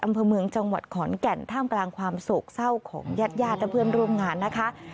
อำเภอเมืองจังหวัดขอนแก่นท่ามกลางความโศกเศร้าของญาติญาติและเพื่อนร่วมงานนะคะ